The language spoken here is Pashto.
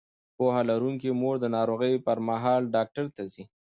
پوهه لرونکې مور د ناروغۍ پر مهال ډاکټر ته ځي.